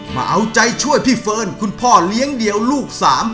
มาเอาใจช่วยพี่เฟิร์นคุณพ่อเลี้ยงเดี่ยวลูกสาม